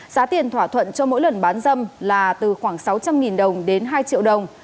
giá tiền thỏa thuận cho mỗi lần bán dâm là từ khoảng sáu trăm linh đồng đến hai triệu đồng